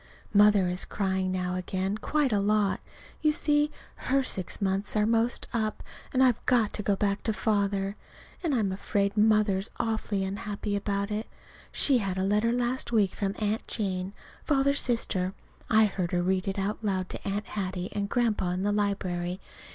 Mother is crying now again quite a lot. You see, her six months are 'most up, and I've got to go back to Father. And I'm afraid Mother is awfully unhappy about it. She had a letter last week from Aunt Jane, Father's sister. I heard her read it out loud to Aunt Hattie and Grandpa in the library.